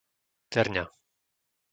Terňa